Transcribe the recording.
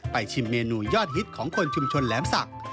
ชิมเมนูยอดฮิตของคนชุมชนแหลมศักดิ์